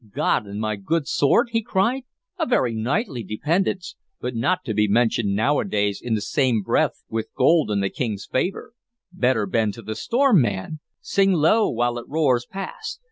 "God and my good sword!" he cried. "A very knightly dependence, but not to be mentioned nowadays in the same breath with gold and the King's favor. Better bend to the storm, man; sing low while it roars past.